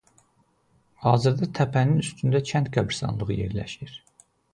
Hazırda təpənin üstündə kənd qəbiristanlığı yerləşir.